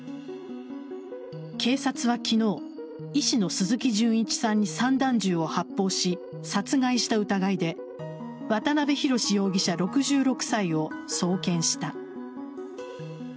警察は昨日医師の鈴木純一さんに散弾銃を発砲し殺害した疑いで渡辺宏容疑者、６６歳を送検した。